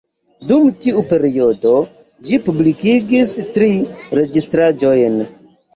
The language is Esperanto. Dum tiu periodo, ĝi publikigis tri registraĵojn.